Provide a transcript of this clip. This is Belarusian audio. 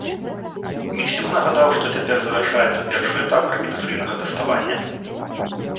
Міксюк нагадаў, што цяпер завяршаецца першы этап рэпетыцыйнага тэставання.